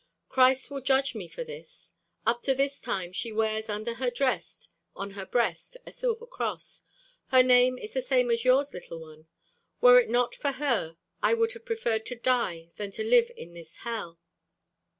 Christ will judge me for this Up to this time she wears under her dress, on her breast, a silver cross. Her name is the same as yours, little one. Were it not for her, I would have preferred to die rather than to live in this hell."